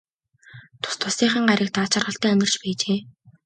Тус тусынхаа гаригт аз жаргалтай амьдарч байжээ.